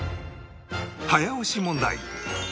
早押し問題